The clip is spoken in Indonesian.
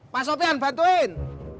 pak sopian bantuin